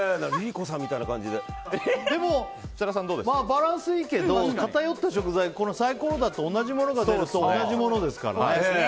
バランスいいけど偏った食材サイコロだと同じものが出ると同じものですからね。